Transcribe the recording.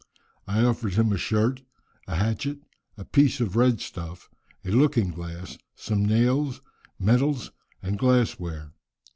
I offered him a shirt, a hatchet, a piece of red stuff, a looking glass, some nails, medals, and glass ware.